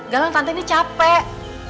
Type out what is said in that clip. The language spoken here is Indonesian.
galang tante ini capek